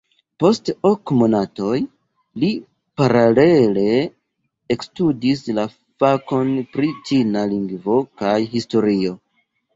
Post ok monatoj li paralele ekstudis la fakon pri ĉina lingvo kaj historio.